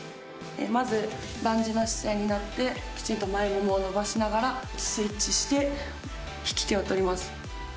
まず卍の姿勢になってきちんと前ももを伸ばしながらスイッチして引き手を取ります。